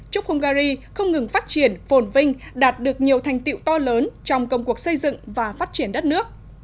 chúc hungary không ngừng phát triển phồn vinh đạt được nhiều thành tiệu to lớn trong công cuộc xây dựng và phát triển đất nước